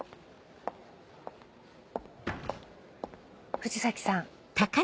藤崎さん。